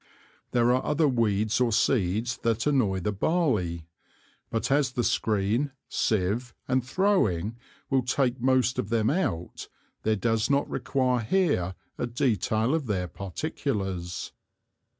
There are other Weeds or Seeds that annoy the Barley; but as the Screen, Sieve and throwing will take most of them out, there does not require here a Detail of their Particulars.